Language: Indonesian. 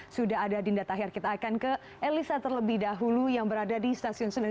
sudah ada dinda tahir kita akan ke elisa terlebih dahulu yang berada di stasiun senen